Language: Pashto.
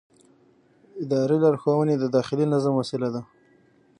اداري لارښوونې د داخلي نظم وسیله ده.